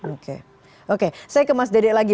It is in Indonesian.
oke oke saya ke mas dede lagi